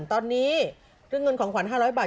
ตอนนี้เรื่องเงินของขวัญ๕๐๐บาท